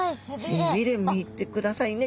背びれ見てくださいね。